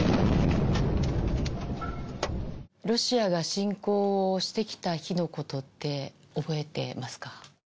ロシアが侵攻してきた日のことって、覚えてますか？